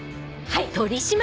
はい！